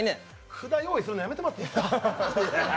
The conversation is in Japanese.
札、用意するのやめてもらっていいですか？